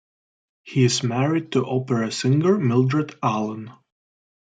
He is married to opera singer Mildred Allen.